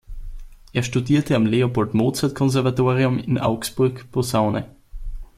Er studierte am Leopold-Mozart-Konservatorium in Augsburg Posaune.